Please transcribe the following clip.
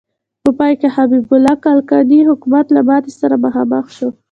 په پای کې حبیب الله کلکاني حکومت له ماتې سره مخامخ شو.